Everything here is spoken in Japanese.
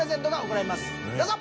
どうぞ！